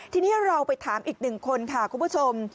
ทีนี้เราไปถามอีกหนึ่งคนค่ะคุณผู้ชม